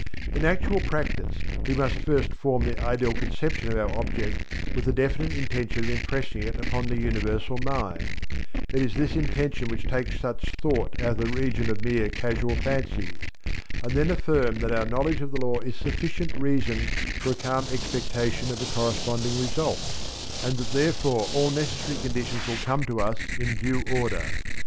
In actual practice we must first form the ideal conception of our object with the definite intention of impressing it upon the universal mind it is this intention which takes such thought out of the region of mere casual fancies and then affirm that our knowledge of the Law is sufficient reason for a calm expectation of a corresponding result, and that therefore all necessary conditions will come to us in due order.